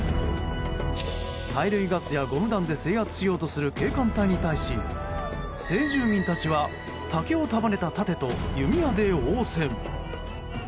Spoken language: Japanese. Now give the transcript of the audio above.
催涙ガスやゴム弾で制圧しようとする警官隊に対し先住民たちは竹を束ねた盾と弓矢で応戦。